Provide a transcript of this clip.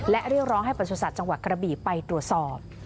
และเรียกร้องให้ประสุทธิ์จังหวัดกระบี่ไปตรวจสอบ